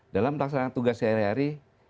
dalam melaksanakan tugas sehari hari